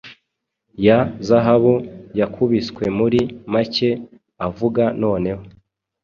Ya zahabu yakubiswemuri make avuga noneho